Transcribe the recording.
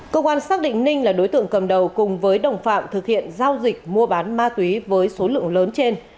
công an xác định ninh là đối tượng cầm đầu cùng với đồng phạm thực hiện giao dịch mua bán ma túy với số lượng lớn trên